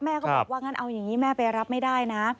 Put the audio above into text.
ก็บอกว่างั้นเอาอย่างนี้แม่ไปรับไม่ได้นะ